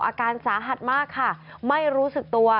อาการสาหัสมากค่ะไม่รู้สึกตัว